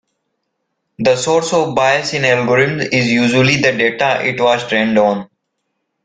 The source of bias in algorithms is usually the data it was trained on.